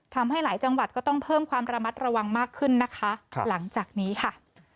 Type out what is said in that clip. ทำให้หลายจังหวัดก็ต้องเพิ่มความระมัดระวังมากขึ้นนะคะหลังจากนี้ค่ะ